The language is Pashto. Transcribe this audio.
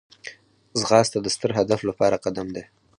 ځغاسته د ستر هدف لپاره قدم دی